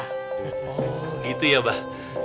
oh gitu ya mbah